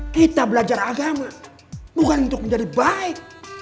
kita belajar agama bukan untuk menjadi baik